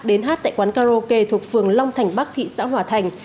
đến hát tại quán karaoke thuộc phường long thành bắc thị xã hòa thành